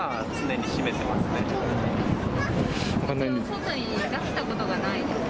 外に出したことがないです。